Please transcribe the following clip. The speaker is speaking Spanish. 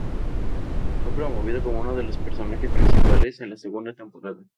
Fue promovido como uno de los personajes principales en la segunda temporada.